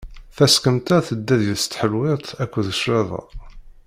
Tasqamt-a tedda deg-s tḥelwiḍt akked claḍa.